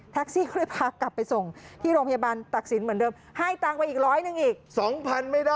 ทักซี่ก็เลยพากลับไปส่งที่โรงพยาบาลตักศิลป์เหมือนเดิม